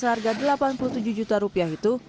seharga delapan puluh tujuh juta rupiah itu